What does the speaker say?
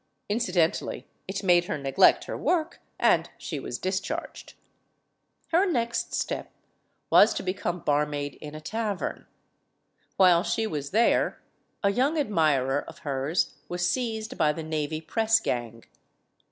Incidentally, it made her neglect her work, and she was discharged. Her next step was to become bar maid in a tavern. While she was there, a young ad mirer of hers was seized by the navy press gang.